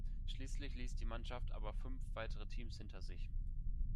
Schließlich ließ die Mannschaft aber fünf weitere Teams hinter sich.